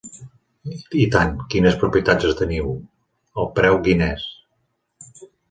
I tant, quines propietats teniu, el preu quin és?